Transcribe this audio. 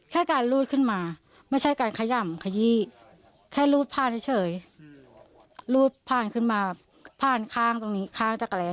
คื่อแบบเท่าไหร่เขาก็จะถามว่าโอเคไหมรู้สึกแน่นตรงไหนไหม